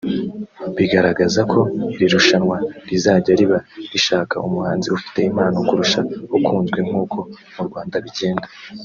bigaragaza ko iri rushanwa rizajya riba rishaka umuhanzi ufite impano kurusha ukunzwe nk’uko mu Rwanda bigenda